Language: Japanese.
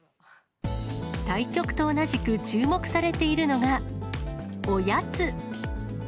対局と同じく注目されているのが、おやつ。